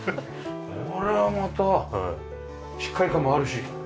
これはまたしっかり感もあるし。